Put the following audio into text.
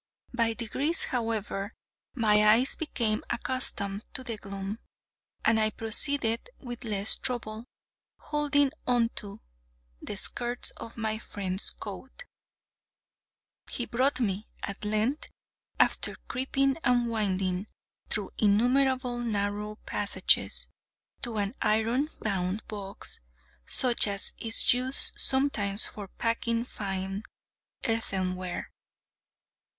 By degrees, however, my eyes became accustomed to the gloom, and I proceeded with less trouble, holding on to the skirts of my friend's coat. He brought me, at length, after creeping and winding through innumerable narrow passages, to an iron bound box, such as is used sometimes for packing fine earthenware.